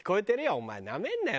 「お前なめんなよ